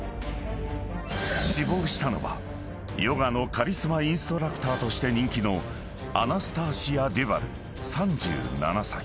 ［死亡したのはヨガのカリスマインストラクターとして人気のアナスターシア・デュバル３７歳］